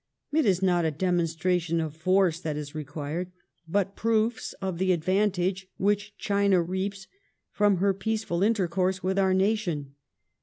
It is not a demonstration of force that is required, but proofs of the advantage which China reaps from her peaceful intercourse with our nation.